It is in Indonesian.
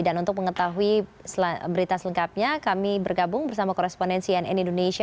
dan untuk mengetahui berita selengkapnya kami bergabung bersama korespondensi nn indonesia